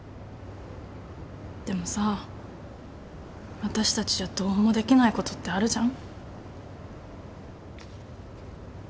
でもさ私たちじゃどうもできないことってあるじゃん。